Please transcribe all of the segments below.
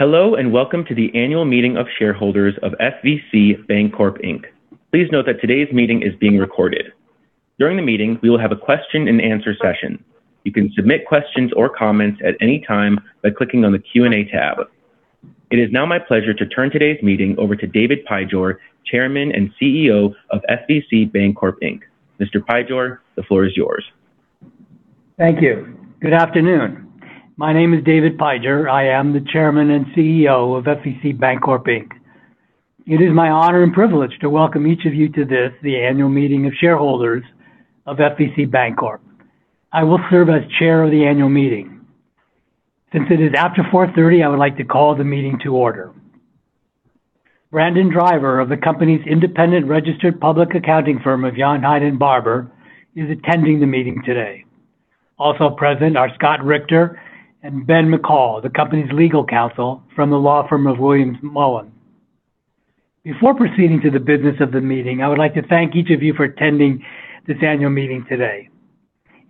Hello, welcome to the annual meeting of shareholders of FVCBankcorp, Inc. Please note that today's meeting is being recorded. During the meeting, we will have a question and answer session. You can submit questions or comments at any time by clicking on the Q&A tab. It is now my pleasure to turn today's meeting over to David W. Pijor, Chairman and CEO of FVCBankcorp, Inc. Mr. Pijor, the floor is yours. Thank you. Good afternoon. My name is David Pijor. I am the Chairman and CEO of FVCBankcorp, Inc. It is my honor and privilege to welcome each of you to this, the annual meeting of shareholders of FVCBankcorp. I will serve as chair of the annual meeting. Since it is after 4:30 P.M., I would like to call the meeting to order. Brandon Driver of the company's independent registered public accounting firm of Yount, Hyde & Barbour is attending the meeting today. Also present are Scott Richter and Ben McCall, the company's legal counsel from the law firm of Williams Mullen. Before proceeding to the business of the meeting, I would like to thank each of you for attending this annual meeting today.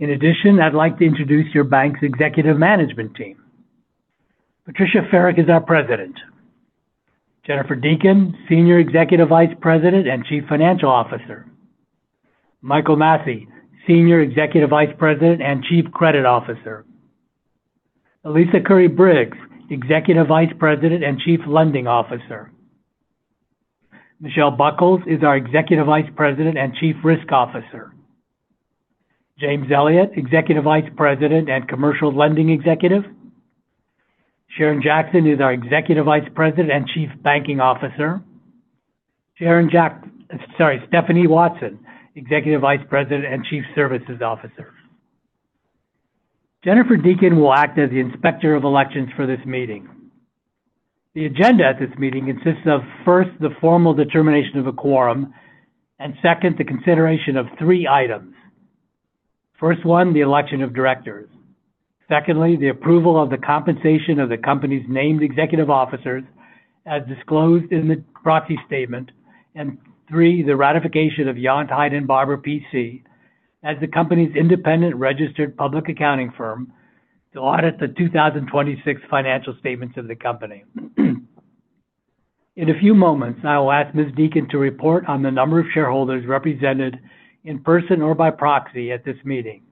In addition, I'd like to introduce your bank's executive management team. Patricia Ferrick is our President. Jennifer Deacon, Senior Executive Vice President and Chief Financial Officer. Michael G. Nassy, Senior Executive Vice President and Chief Credit Officer. Alissa Curry Briggs, Executive Vice President and Chief Lending Officer. Michelle L. Buckles is our Executive Vice President and Chief Risk Officer. James C. Elliott, Executive Vice President and Commercial Lending Executive. Sharon L. Jackson is our Executive Vice President and Chief Banking Officer. Sorry, Steffany Watson, Executive Vice President and Chief Services Officer. Jennifer Deacon will act as the Inspector of Elections for this meeting. The agenda at this meeting consists of, first, the formal determination of a quorum, and second, the consideration of three items. First one, the election of directors. Secondly, the approval of the compensation of the company's named executive officers as disclosed in the proxy statement. Three, the ratification of Yount, Hyde & Barbour, P.C. as the company's independent registered public accounting firm to audit the 2026 financial statements of the company. In a few moments, I will ask Ms. Deacon to report on the number of shareholders represented in person or by proxy at this meeting.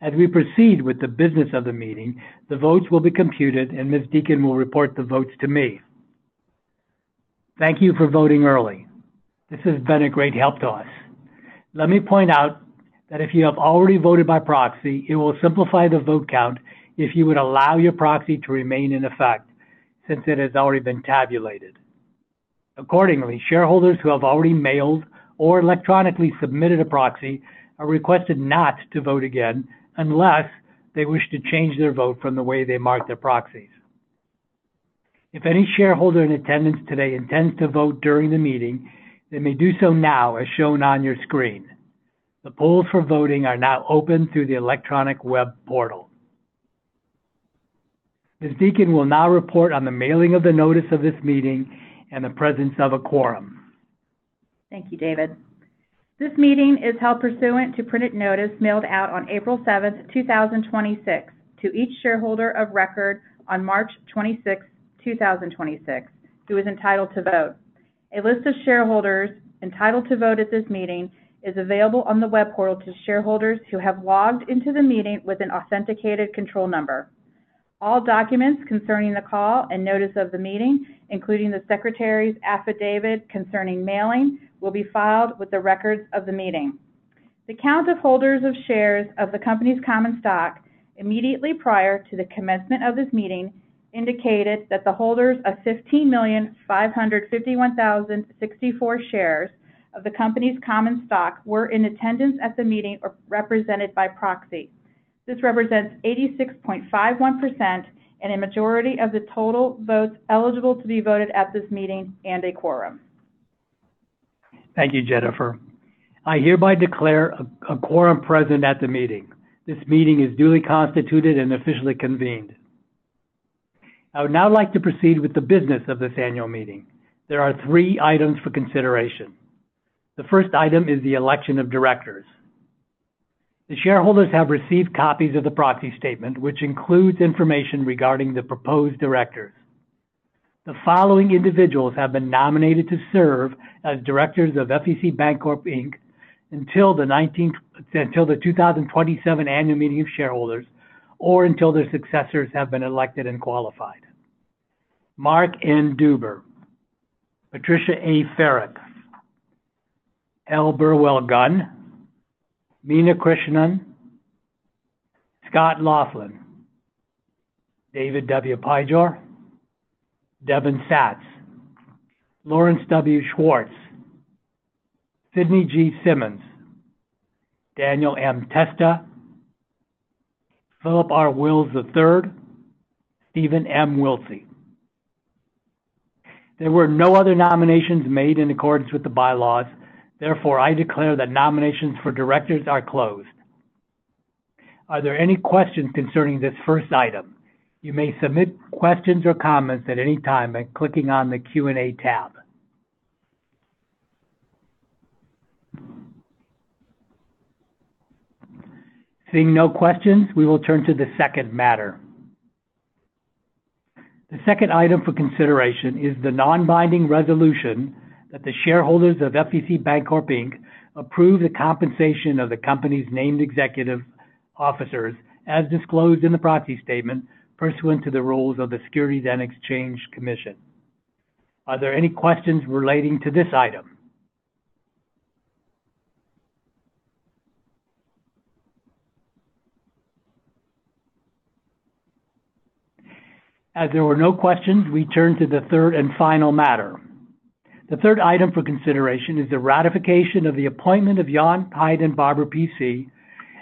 As we proceed with the business of the meeting, the votes will be computed, and Ms. Deacon will report the votes to me. Thank you for voting early. This has been a great help to us. Let me point out that if you have already voted by proxy, it will simplify the vote count if you would allow your proxy to remain in effect since it has already been tabulated. Accordingly, shareholders who have already mailed or electronically submitted a proxy are requested not to vote again unless they wish to change their vote from the way they marked their proxies. If any shareholder in attendance today intends to vote during the meeting, they may do so now as shown on your screen. The polls for voting are now open through the electronic web portal. Ms. Deacon will now report on the mailing of the notice of this meeting and the presence of a quorum. Thank you, David. This meeting is held pursuant to printed notice mailed out on April 7th, 2026, to each shareholder of record on March 26th, 2026, who is entitled to vote. A list of shareholders entitled to vote at this meeting is available on the web portal to shareholders who have logged into the meeting with an authenticated control number. All documents concerning the call and notice of the meeting, including the secretary's affidavit concerning mailing, will be filed with the records of the meeting. The count of holders of shares of the company's common stock immediately prior to the commencement of this meeting indicated that the holders of 15,551,064 shares of the company's common stock were in attendance at the meeting or represented by proxy. This represents 86.51% and a majority of the total votes eligible to be voted at this meeting and a quorum. Thank you, Jennifer. I hereby declare a quorum present at the meeting. This meeting is duly constituted and officially convened. I would now like to proceed with the business of this annual meeting. There are three items for consideration. The first item is the election of directors. The shareholders have received copies of the proxy statement, which includes information regarding the proposed directors. The following individuals have been nominated to serve as directors of FVCBankcorp, Inc. until the 2027 annual meeting of shareholders, or until their successors have been elected and qualified. Marc N. Duber, Patricia A. Ferrick, L. Burwell Gunn, Meena Krishnan, Scott Laughlin, David W. Pijor, Devin Satz, Lawrence W. Schwartz, Sidney G. Simmonds, Daniel M. Testa, Philip R. Wills III, Steven M. Wiltse. There were no other nominations made in accordance with the bylaws. Therefore, I declare that nominations for directors are closed. Are there any questions concerning this first item? You may submit questions or comments at any time by clicking on the Q&A tab. Seeing no questions, we will turn to the second matter. The second item for consideration is the non-binding resolution that the shareholders of FVCBankcorp, Inc. approve the compensation of the company's named executive officers as disclosed in the proxy statement pursuant to the rules of the Securities and Exchange Commission. Are there any questions relating to this item? As there were no questions, we turn to the third and final matter. The third item for consideration is the ratification of the appointment of Yount, Hyde & Barbour, P.C.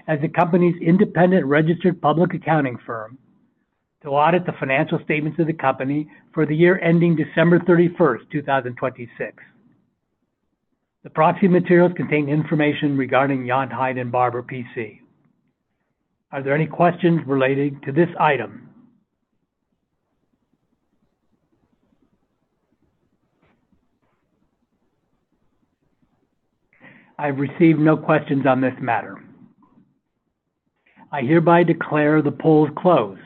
as the company's independent registered public accounting firm to audit the financial statements of the company for the year ending December 31st, 2026. The proxy materials contain information regarding Yount, Hyde & Barbour, P.C. Are there any questions relating to this item? I've received no questions on this matter. I hereby declare the polls closed.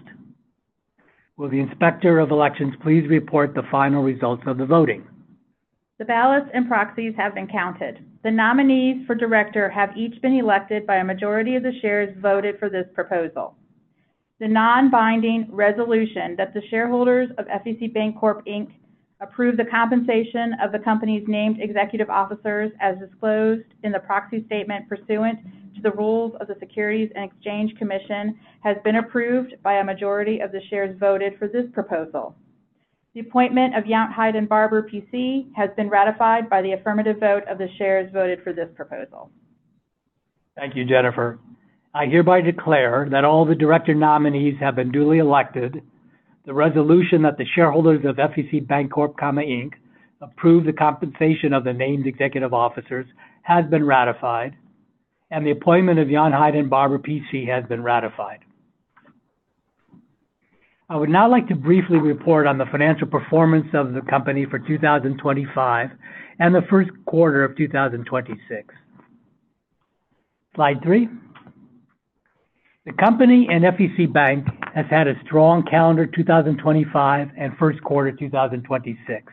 Will the Inspector of Elections please report the final results of the voting? The ballots and proxies have been counted. The nominees for director have each been elected by a majority of the shares voted for this proposal. The non-binding resolution that the shareholders of FVCBankcorp, Inc. approve the compensation of the company's named executive officers as disclosed in the proxy statement pursuant to the rules of the Securities and Exchange Commission has been approved by a majority of the shares voted for this proposal. The appointment of Yount, Hyde & Barbour, P.C. has been ratified by the affirmative vote of the shares voted for this proposal. Thank you, Jennifer. I hereby declare that all the director nominees have been duly elected. The resolution that the shareholders of FVCBankcorp, Inc. approve the compensation of the named executive officers has been ratified, and the appointment of Yount, Hyde & Barbour, P.C. has been ratified. I would now like to briefly report on the financial performance of the company for 2025 and the first quarter of 2026. Slide three. The company and FVCbank has had a strong calendar 2025 and first quarter 2026.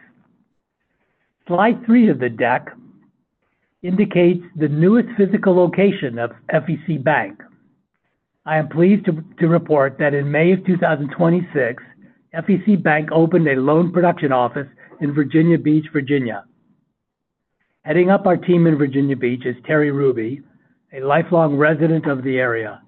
Slide three of the deck indicates the newest physical location of FVCbank. I am pleased to report that in May of 2026, FVCbank opened a loan production office in Virginia Beach, Virginia. Heading up our team in Virginia Beach is Terri Ruby, a lifelong resident of the area.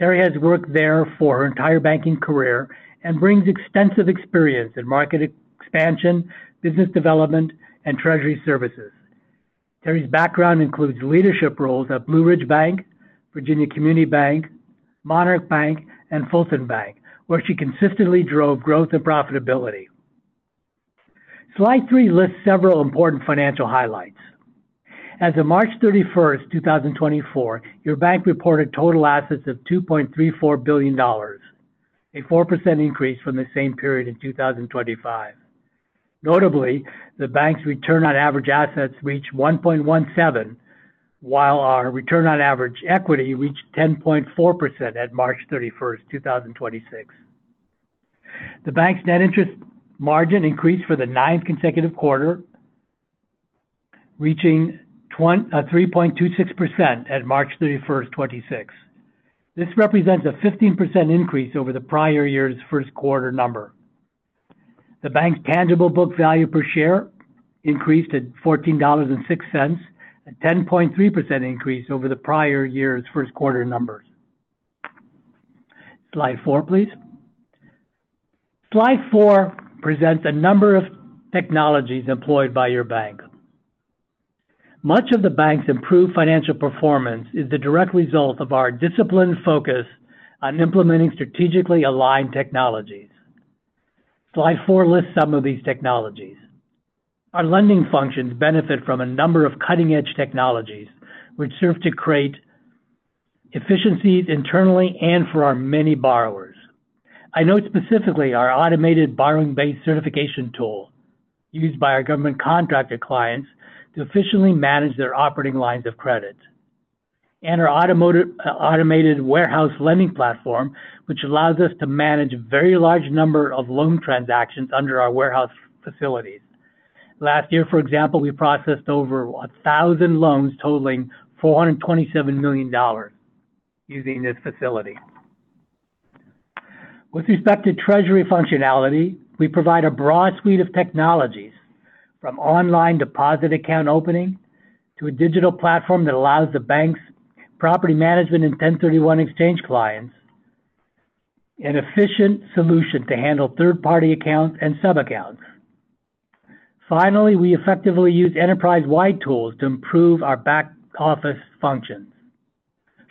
Terri has worked there for her entire banking career and brings extensive experience in market expansion, business development, and treasury services. Terri's background includes leadership roles at Blue Ridge Bank, Virginia Community Bank, Monarch Bank, and Fulton Bank, where she consistently drove growth and profitability. Slide three lists several important financial highlights. As of March 31st, 2024, your bank reported total assets of $2.34 billion, a 4% increase from the same period in 2025. Notably, the bank's return on average assets reached 1.17%, while our return on average equity reached 10.4% at March 31st, 2026. The bank's net interest margin increased for the ninth consecutive quarter, reaching 3.26% at March 31st, 2026. This represents a 15% increase over the prior year's first quarter number. The bank's tangible book value per share increased at $14.06, a 10.3% increase over the prior year's first quarter numbers. Slide four, please. Slide four presents a number of technologies employed by your bank. Much of the bank's improved financial performance is the direct result of our disciplined focus on implementing strategically aligned technologies. Slide four lists some of these technologies. Our lending functions benefit from a number of cutting-edge technologies which serve to create efficiencies internally and for our many borrowers. I note specifically our automated borrowing base certification tool used by our government contractor clients to efficiently manage their operating lines of credit. Our automated warehouse lending platform, which allows us to manage a very large number of loan transactions under our warehouse facilities. Last year, for example, we processed over 1,000 loans totaling $427 million using this facility. With respect to treasury functionality, we provide a broad suite of technologies from online deposit account opening to a digital platform that allows the bank's property management and 1031 exchange clients an efficient solution to handle third-party accounts and sub-accounts. Finally, we effectively use enterprise-wide tools to improve our back-office functions.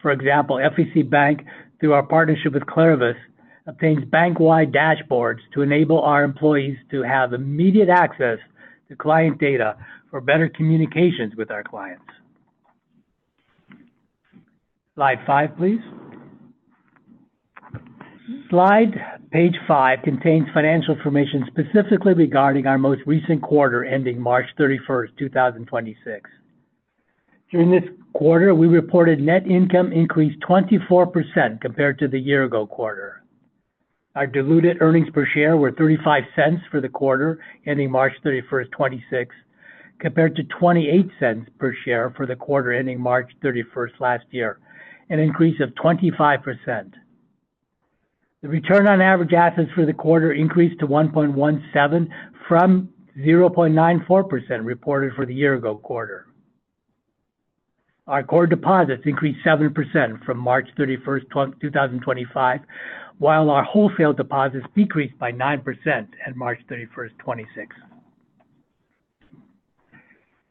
For example, FVCbank, through our partnership with KlariVis, obtains bank-wide dashboards to enable our employees to have immediate access to client data for better communications with our clients. Slide five, please. Slide page five contains financial information specifically regarding our most recent quarter ending March 31st, 2026. During this quarter, we reported net income increase 24% compared to the year ago quarter. Our diluted earnings per share were $0.35 for the quarter ending March 31st, 2026, compared to $0.28 per share for the quarter ending March 31st last year, an increase of 25%. The return on average assets for the quarter increased to 1.17% from 0.94% reported for the year ago quarter. Our core deposits increased 7% from March 31st, 2025, while our wholesale deposits decreased by 9% at March 31st, 2026.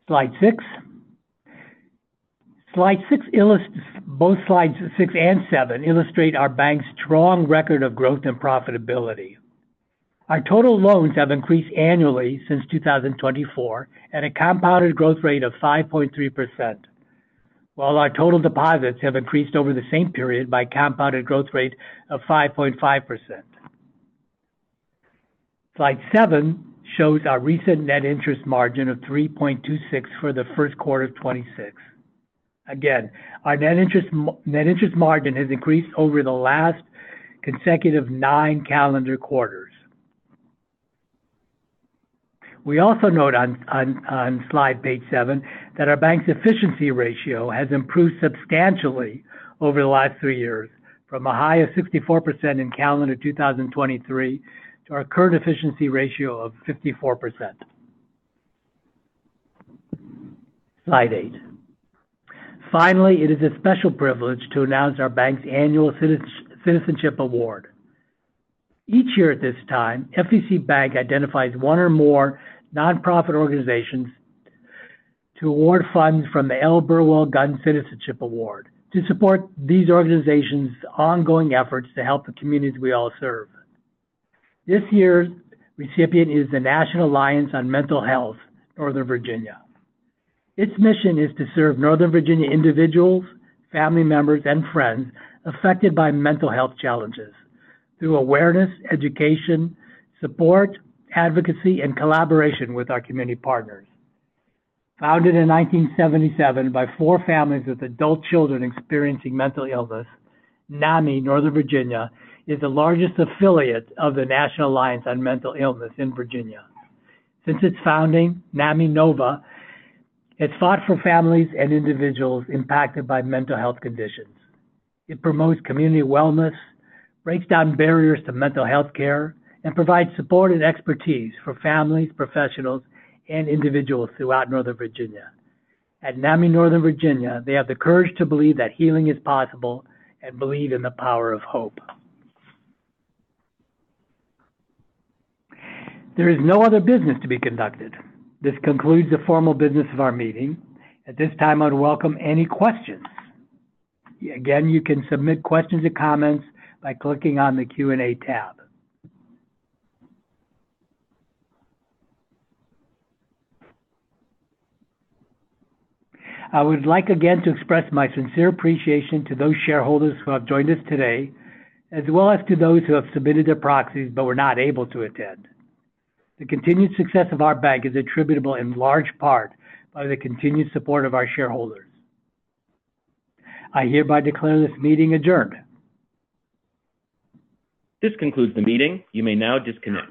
Slide 6. Both slides six and seven illustrate our bank's strong record of growth and profitability. Our total loans have increased annually since 2024 at a compounded growth rate of 5.3%, while our total deposits have increased over the same period by a compounded growth rate of 5.5%. Slide seven shows our recent net interest margin of 3.26% for the first quarter of 2026. Our net interest margin has increased over the last consecutive nine calendar quarters. We also note on slide page seven that our bank's efficiency ratio has improved substantially over the last three years, from a high of 64% in calendar 2023 to our current efficiency ratio of 54%. Slide eight. Finally, it is a special privilege to announce our bank's annual Citizenship Award. Each year at this time, FVCbank identifies one or more non-profit organizations to award funds from the L. Burwell Gunn Citizenship Award to support these organizations' ongoing efforts to help the communities we all serve. This year's recipient is the National Alliance on Mental Illness, Northern Virginia. Its mission is to serve Northern Virginia individuals, family members, and friends affected by mental health challenges through awareness, education, support, advocacy, and collaboration with our community partners. Founded in 1977 by four families with adult children experiencing mental illness, NAMI Northern Virginia is the largest affiliate of the National Alliance on Mental Illness in Virginia. Since its founding, NAMI NOVA has fought for families and individuals impacted by mental health conditions. It promotes community wellness, breaks down barriers to mental health care, and provides support and expertise for families, professionals, and individuals throughout Northern Virginia. At NAMI Northern Virginia, they have the courage to believe that healing is possible and believe in the power of hope. There is no other business to be conducted. This concludes the formal business of our meeting. At this time, I'd welcome any questions. Again, you can submit questions or comments by clicking on the Q&A tab. I would like again to express my sincere appreciation to those shareholders who have joined us today, as well as to those who have submitted their proxies but were not able to attend. The continued success of our bank is attributable in large part by the continued support of our shareholders. I hereby declare this meeting adjourned. This concludes the meeting. You may now disconnect.